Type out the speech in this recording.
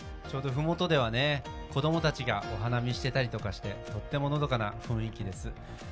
ちょうどふもとでは子供たちがお花見してたりしてとってものどかな雰囲気です。